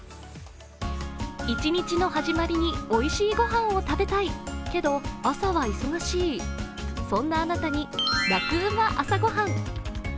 一日の始まりにおいしい御飯を食べたいけど朝は忙しい、そんなあなたに「ラクうま！朝ごはん」。